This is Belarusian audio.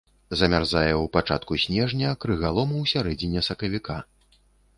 Замярзае ў пачатку снежня, крыгалом у сярэдзіне сакавіка.